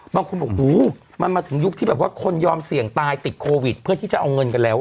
บางคนบอกหูมันมาถึงยุคที่แบบว่าคนยอมเสี่ยงตายติดโควิดเพื่อที่จะเอาเงินกันแล้ว